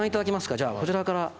じゃあこちらから。